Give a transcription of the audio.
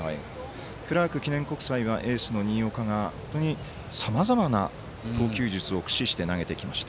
クラーク記念国際はエースの新岡が本当にさまざまな投球術を駆使して投げてきました。